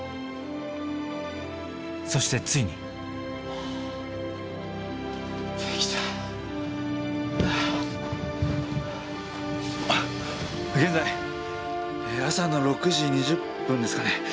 そしてついに現在朝の６時２０分ですかね。